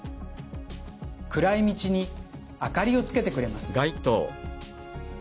暗い道にあかりをつけてくれます。